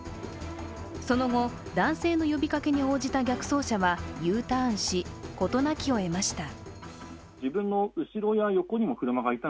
その後、男性の呼びかけに応じた逆走車はＵターンし、事なきを得ました。